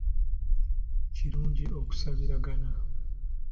Kirungi okusabiragana